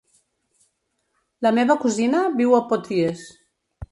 La meva cosina viu a Potries.